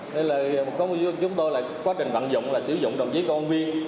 nên là chúng tôi là quá trình vận dụng là sử dụng đồng chí công an viên